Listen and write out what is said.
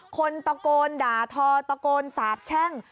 คนตะโกนด่าทอตะโกนสาบแช่ง